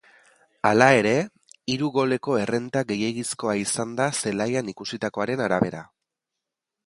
Hala ere, hiru goleko errenta gehiegizkoa izan da zelaian ikusitakoaren arabera.